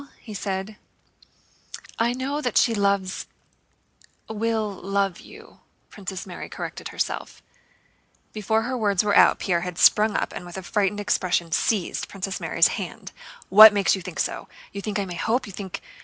he said. "I know that she loves... will love you," Princess Mary corrected herself. Before her words were out, Pierre had sprung up and with a frightened expression seized Princess Mary's hand. "What makes you think so? You think I may hope? You think...?"